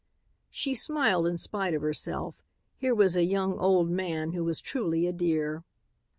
She smiled in spite of herself. Here was a young old man who was truly a dear.